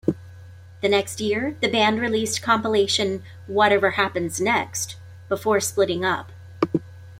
The next year, the band released compilation "Whatever Happens Next..." before splitting up.